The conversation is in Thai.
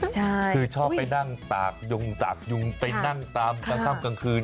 คือชอบไปนั่งตากยุงตากยุงไปนั่งตามกลางคืน